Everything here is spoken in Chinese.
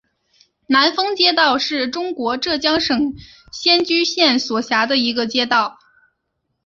南峰街道是中国浙江省仙居县所辖的一个街道。